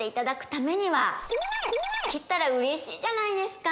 ○切ったら嬉しいじゃないですか